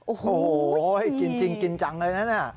โอ้โหกินจริงกินจังเลยนะเนี่ย